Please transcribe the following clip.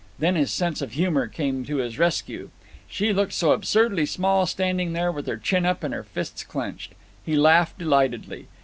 Then his sense of humour came to his rescue. She looked so absurdly small standing there with her chin up and her fists clenched. He laughed delightedly.